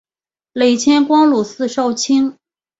累迁光禄寺少卿。